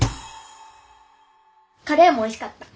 カレーもおいしかった。